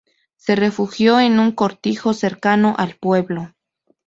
Se refugió en un cortijo cercano al pueblo.